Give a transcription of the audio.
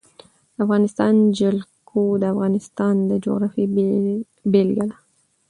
د افغانستان جلکو د افغانستان د جغرافیې بېلګه ده.